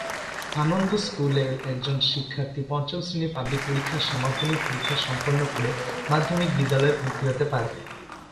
আনন্দ স্কুলের একজন শিক্ষার্থী পঞ্চম শ্রেণীর পাবলিক পরীক্ষা সমাপনী পরীক্ষা সম্পন্ন করে মাধ্যমিক বিদ্যালয়ে ভর্তি হতে পারবে।